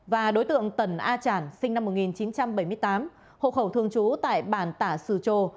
và đối tượng tần a trản sinh năm một nghìn chín trăm bảy mươi tám hộ khẩu thường trú tại bản tả sử trồ